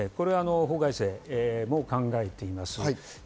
法改正も考えています。